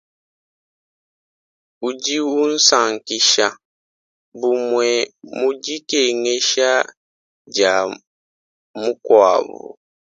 Udi usankisha, bumue mu dikengesha dia mukuabu.